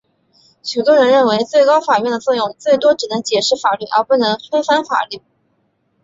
许多人认为最高法院的作用最多只能解释法律而不能推翻法律。